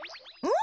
ん？